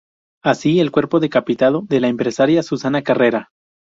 Así el cuerpo decapitado de la empresaria Susana Carrera.